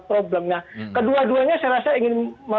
problem nah kedua duanya saya rasa ingin